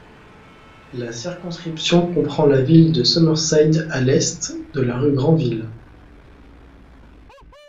La circonscription comprend la ville de Summerside à l'est de la rue Granville.